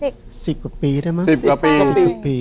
ก็สิบกว่าปีได้ไหมสิบกว่าปีสิบกว่าปีสิบกว่าปี